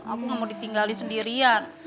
aku gak mau ditinggali sendirian